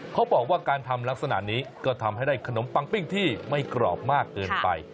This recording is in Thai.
เขาบอกว่าการทำลักษณะนี้ก็ทำให้ได้ขนมปังปิ้งที่ไม่กรอบมากเกินไป